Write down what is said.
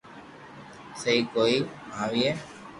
سھي ڪوئي آئئئي